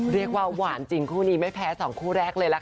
เรียกว่าหวานจริงคู่นี้ไม่แพ้สองคู่แรกเลยละค่ะ